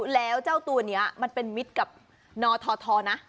แล้วเจ้าตัวนี้มันเป็นมิตรกับนททนะ